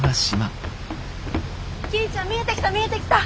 桐ちゃん見えてきた見えてきた！